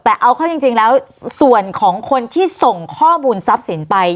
แต่เอาเข้าจริงแล้วส่วนของคนที่ส่งข้อมูลทรัพย์สินไป